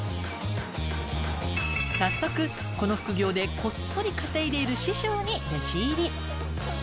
早速この副業でこっそり稼いでいる師匠に弟子入り。